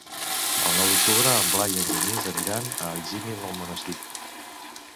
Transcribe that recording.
El nou d'octubre en Blai i en Genís aniran a Algímia d'Almonesir.